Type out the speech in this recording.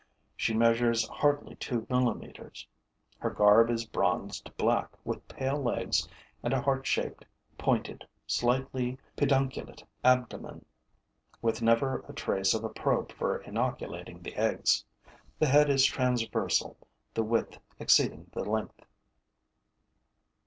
She measures hardly two millimeters. Her garb is bronzed black, with pale legs and a heart shaped, pointed, slightly pedunculate abdomen, with never a trace of a probe for inoculating the eggs. The head is transversal, the width exceeding the length.